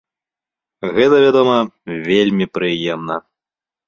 Гэта, вядома, вельмі прыемна!